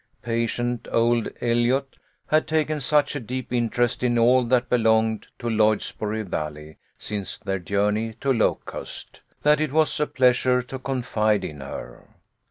Patient old Eliot had taken such a deep interest in all that belonged to Lloydsboro Valley since their journey to Locust, that it was a pleasure to confide in her.